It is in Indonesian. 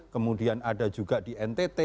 kemudian ada juga di ntt